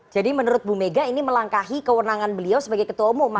jadi menurut bu mega ini melangkahi kewenangan beliau sebagai ketua umum makanya